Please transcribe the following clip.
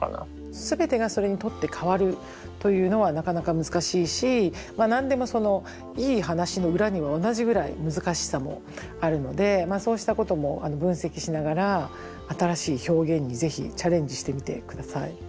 全てがそれに取って代わるというのはなかなか難しいしまあ何でもいい話の裏には同じぐらい難しさもあるのでそうしたことも分析しながら新しい表現にぜひチャレンジしてみて下さい。